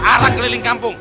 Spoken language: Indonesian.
ayo aku sedang berhutang